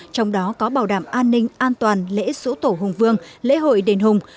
trong đó có bảo đảm an ninh an toàn lễ sổ tổ hùng vương lễ hội đền hùng